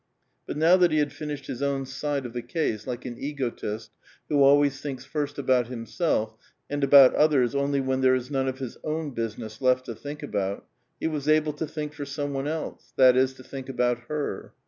But now that he had finished his own side of the case (like an ego tist, who always thinks first about himself, and about others only when there is none of his own business left to think about) , he was able to think for some one else ; that is, to think about her.